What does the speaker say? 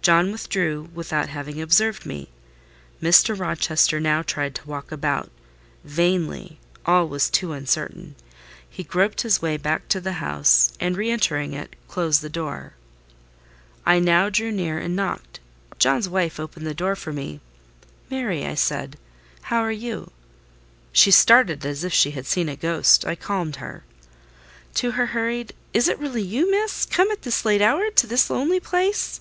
John withdrew without having observed me. Mr. Rochester now tried to walk about: vainly,—all was too uncertain. He groped his way back to the house, and, re entering it, closed the door. I now drew near and knocked: John's wife opened for me. "Mary," I said, "how are you?" She started as if she had seen a ghost: I calmed her. To her hurried "Is it really you, miss, come at this late hour to this lonely place?"